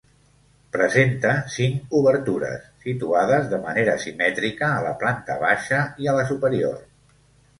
Presenta cinc obertures, situades de manera simètrica a la planta baixa i a la superior.